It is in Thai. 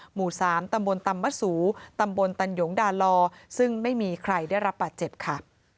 หมู่๓ตำบลตำมะสูตำบลตันหยงดาลอซึ่งไม่มีใครได้รับบาดเจ็บค่ะ